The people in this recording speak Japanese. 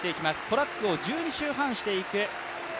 トラックを１２周半していく５０００ｍ。